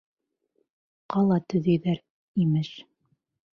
Ҡала төҙөйҙәр, имеш!